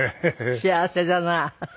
「幸せだなァ」。